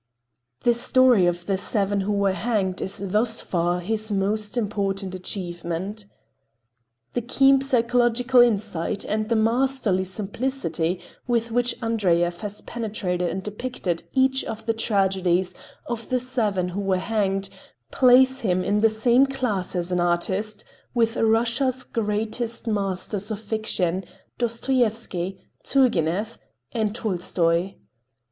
The story of "The Seven Who Were Hanged" is thus far his most important achievement. The keen psychological insight and the masterly simplicity with which Andreyev has penetrated and depicted each of the tragedies of the seven who were hanged place him in the same class as an artist with Russia's greatest masters of fiction, Dostoyevsky, Turgenev and Tolstoy.